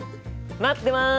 待ってます！